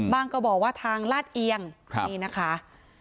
ก็บอกว่าทางลาดเอียงนี่นะคะ